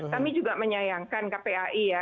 kami juga menyayangkan kpai ya